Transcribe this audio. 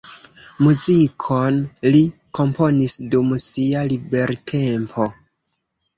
Muzikon li komponis dum sia libertempo.